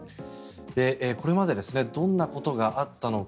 これまでどんなことがあったのか。